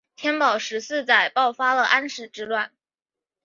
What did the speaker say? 天宝十四载爆发了安史之乱。